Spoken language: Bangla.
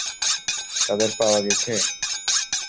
তাদের পাওয়া গেছে?